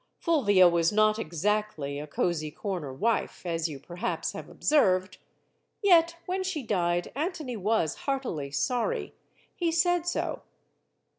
Fulvia was not exactly a cozy corner wife, as you, perhaps, have observed; yet, when she died, Antony was heartily sorry. He said so.